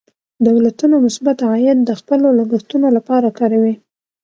دولتونه مثبت عاید د خپلو لګښتونو لپاره کاروي.